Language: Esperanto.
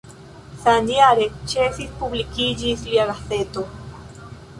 Samjare ĉesis publikiĝis lia gazeto.